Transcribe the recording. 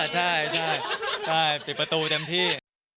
ใช่ปิดประตูเต็มที่